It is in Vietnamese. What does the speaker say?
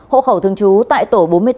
hộ khẩu thương chú tại tổ bốn mươi tám